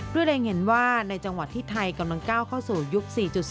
เร็งเห็นว่าในจังหวัดที่ไทยกำลังก้าวเข้าสู่ยุค๔๐